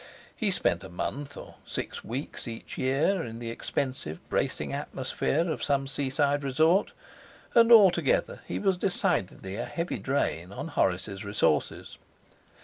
He spent a month or six weeks each year in the expensive bracing atmosphere of some seaside resort, and altogether he was decidedly a heavy drain on Horace's resources.